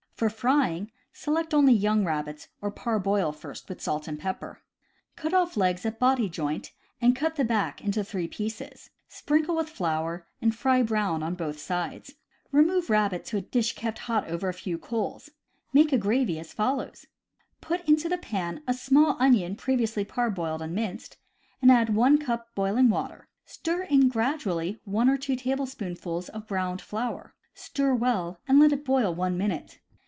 For frying, select only young rabbits, or parboil first with salt and pepper. Cut off legs at body joint, and cut the back into three pieces. Sprinkle with flour, and fry brown on both sides. Remove rabbit to a dish kept hot over a few coals. Make a gravy as follows: Put into the pan a small onion previously parboiled and minced, and add one cup boiling water. Stir in gradually one or two tablespoonfuls of browned flour; stir well, and let it boil one minute.